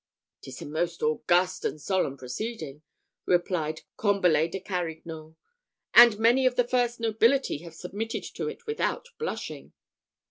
"'Tis a most august and solemn proceeding," replied Combalet de Carignau, "and many of the first nobility have submitted to it without blushing."